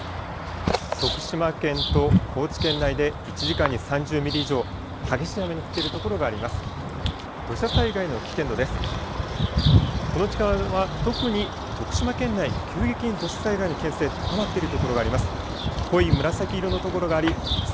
徳島県と高知県内で１時間に３０ミリ以上、激しい雨の降っている所があります。